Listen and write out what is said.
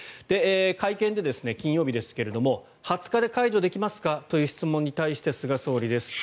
会見で金曜日ですけれども２０日で解除できますかという質問に対して菅総理です。